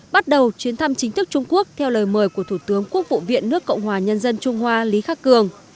bắt đầu chuyến thăm chính thức trung quốc theo lời mời của thủ tướng quốc vụ viện nước cộng hòa nhân dân trung hoa lý khắc cường